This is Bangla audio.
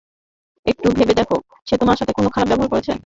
একটু ভেবে দেখো, সে তোমার সাথে কখনো খারাপ ব্যবহার করেছে?